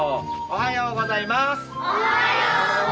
おはようございます。